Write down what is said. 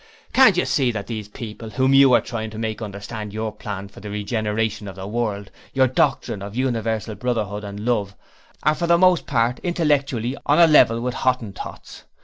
Can't you see that these people, whom you are trying to make understand your plan for the regeneration of the world, your doctrine of universal brotherhood and love are for the most part intellectually on level with Hottentots?